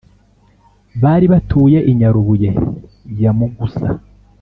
bari batuye i nyarubuye ya mugusa.